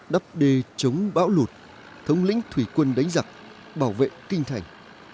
đắp đê chống bão lụt thống lĩnh thủy quân đánh giặc bảo vệ kinh thành